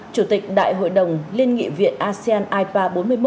chủ tịch đại hội đồng liên nghị viện asean ipa bốn mươi một